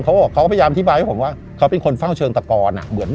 เขาก็พยายามที่บอกให้ผมว่าเขาเป็นคนเฝ้าเชิงตะกอนอ่ะ